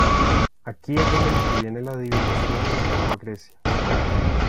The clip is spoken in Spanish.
Aquí es donde interviene la adivinación en la Antigua Grecia.